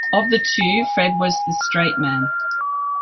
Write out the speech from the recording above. Of the two, Fred was the "straight man".